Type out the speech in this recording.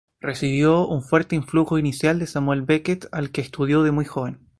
Recibió un fuerte influjo inicial de Samuel Beckett, al que estudió de muy joven.